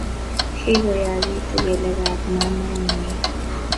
kigoyagiitu kelekab mamaenyi